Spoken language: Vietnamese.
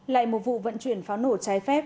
lại một vụ vận chuyển pháo nổ trái phép